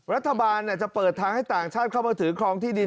รัฐบาลจะเปิดทางให้ต่างชาติเข้ามาถือครองที่ดิน